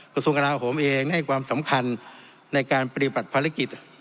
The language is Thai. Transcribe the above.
กระทรวงกราโหมเองให้ความสำคัญในการปฏิบัติภารกิจ